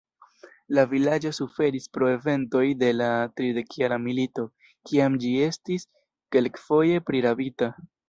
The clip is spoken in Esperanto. La vilaĝo suferis pro eventoj de la tridekjara milito, kiam ĝi estis kelkfoje prirabita.